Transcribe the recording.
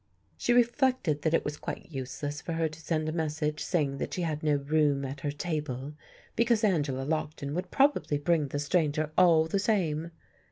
She reflected that it was quite useless for her to send a message saying that she had no room at her table, because Angela Lockton would probably bring the stranger all the same.